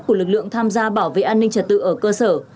của lực lượng tham gia bảo vệ an ninh trật tự ở cơ sở